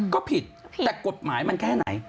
ก็ผิดแต่กฎหมายมันแค่ไหน